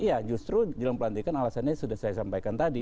iya justru jelang pelantikan alasannya sudah saya sampaikan tadi